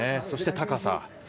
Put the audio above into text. そして高さ。